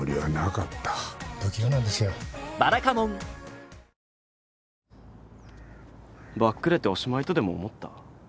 「ビオレ」バックレておしまいとでも思った？